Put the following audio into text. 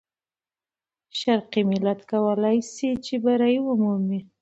شرقي ملت کولای سي چې بری ومومي.